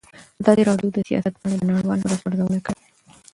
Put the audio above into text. ازادي راډیو د سیاست په اړه د نړیوالو مرستو ارزونه کړې.